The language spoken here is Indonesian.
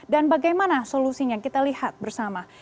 dan bagaimana solusinya kita lihat bersama